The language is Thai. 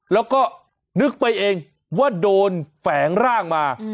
แล้วก็นึกไปเองว่าโดนแฝงร่างมา